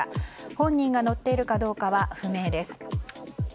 本人が乗っているかどうかは不明です。